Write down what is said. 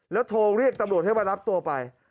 แล้วโทรเรียกตำรวจให้มารับตัวไป